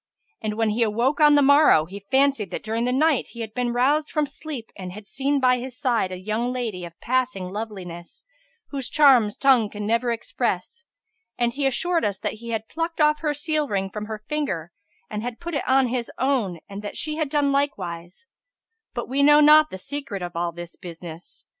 And when he awoke on the morrow, he fancied that during the night he had been roused from sleep and had seen by his side a young lady of passing loveliness, whose charms tongue can never express; and he assured us that he had plucked off her seal ring from her finger and had put it on his own and that she had done likewise; but we know not the secret of all this business.